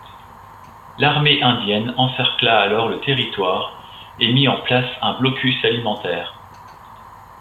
L'armée indienne encercla alors le territoire et mis en place un blocus alimentaire.